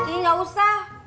ih gak usah